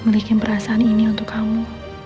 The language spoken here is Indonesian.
memiliki perasaan ini untuk kamu